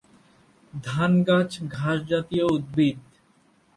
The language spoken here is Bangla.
ধান গাছ ঘাসজাতীয় উদ্ভিদ।